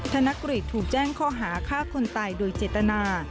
ธนกฤษถูกแจ้งข้อหาฆ่าคนตายโดยเจตนา